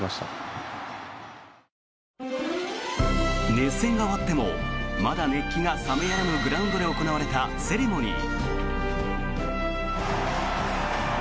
熱戦が終わってもまだ熱気が冷めやらぬグラウンドで行われたセレモニー。